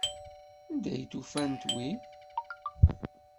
Anda ay d-ufant wi?